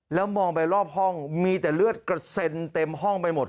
แล้วมองไปรอบห้องมีแต่เลือดกระเซ็นเต็มห้องไปหมด